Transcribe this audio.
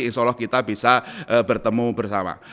insya allah kita bisa bertemu bersama